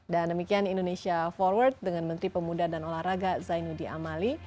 dan demikian indonesia forward dengan menteri pemuda dan olahraga zaini mada